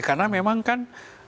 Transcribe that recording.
karena memang kan